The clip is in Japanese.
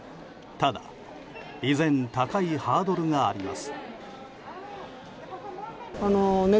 ただ、依然高いハードルがあります。